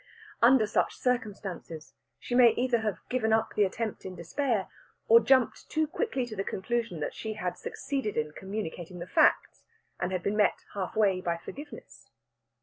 Under such circumstances, she may either have given up the attempt in despair, or jumped too quickly to the conclusion that she had succeeded in communicating the facts, and had been met half way by forgiveness.